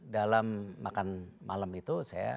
dalam makan malam itu saya